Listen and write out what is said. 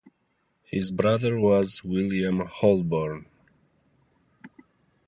His brother was William Holborne.